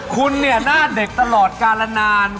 คุณเนี่ยหน้าเด็กตลอดกาลนาน